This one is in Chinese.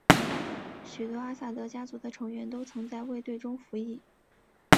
许多阿萨德家族的成员都曾在卫队中服役。